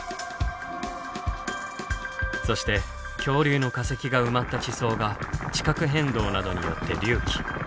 そして恐竜の化石が埋まった地層が地殻変動などによって隆起。